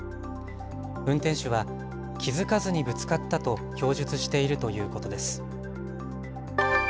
運転手は気付かずにぶつかったと供述しているということです。